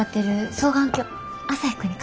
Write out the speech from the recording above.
双眼鏡？